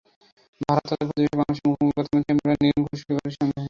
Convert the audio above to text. ভারত তাদের প্রতিবেশী বাংলাদেশের মুখোমুখি, বর্তমান চ্যাম্পিয়নরা নিরঙ্কুশ ফেবারিট সন্দেহ নেই।